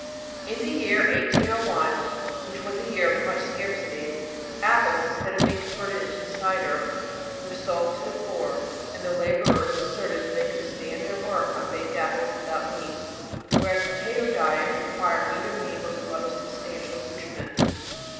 In the year 1801 which was a year of much scarcity apples, instead of being converted into cider, were sold to the poor, and the laborers asserted that they could 'stand their work' on baked apples without meat; whereas a potato diet required either meat or some other substantial nutriment.